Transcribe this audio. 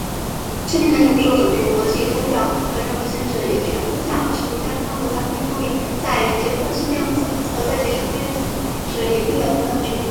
成年男女,不受种族、国籍或宗教的任何限制有权婚嫁和成立家庭。他们在婚姻方面,在结婚期间和在解除婚约时,应有平等的权利。